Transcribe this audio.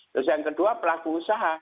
terus yang kedua pelaku usaha